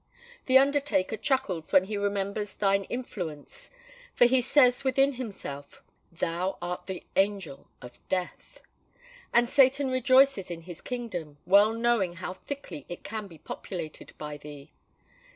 The undertaker chuckles when he remembers thine influence, for he says within himself, "Thou art the Angel of Death." And Satan rejoices in his kingdom, well knowing how thickly it can be populated by thee!